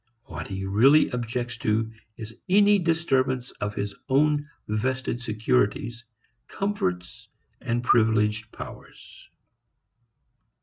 What he really objects to is any disturbance of his own vested securities, comforts and privileged powers.